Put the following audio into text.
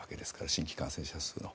新規感染者数の。